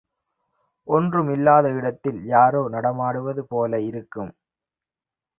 ஒன்றும் இல்லாத இடத்தில் யாரோ நடமாடுவது போல இருக்கும்.